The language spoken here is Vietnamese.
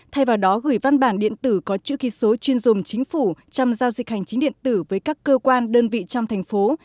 thay vào đó gửi văn bản điện tử có chữ ký số chuyên dùng chính phủ trong giao dịch hành chính điện tử với các cơ quan đơn vị trong thành phố